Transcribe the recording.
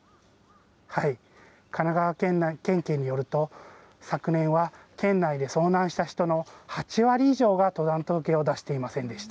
神奈川県警によると、昨年は県内で遭難した人の８割以上が登山届を出していませんでし